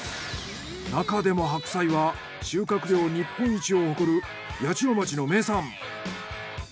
なかでも白菜は収穫量日本一を誇る八千代町の名産。